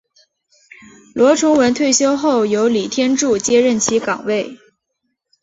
罗崇文退休后由李天柱接任其岗位。